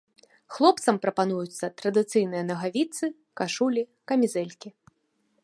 Хлопцам прапануюцца традыцыйныя нагавіцы, кашулі, камізэлькі.